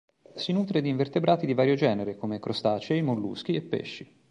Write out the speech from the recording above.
Si nutre di invertebrati di vario genere come crostacei, molluschi e pesci.